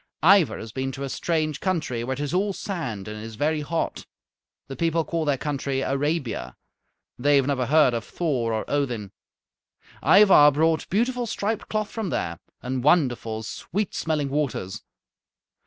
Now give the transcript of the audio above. Ivar has been to a strange country where it is all sand and is very hot. The people call their country Arabia. They have never heard of Thor or Odin. Ivar brought beautiful striped cloth from there, and wonderful, sweet smelling waters.